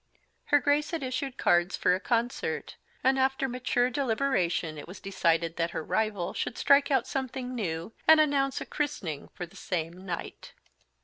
Her Grace had issued cards for a concert; and after mature deliberation it was decided that her rival should strike out something new, and announce a christening for the same night.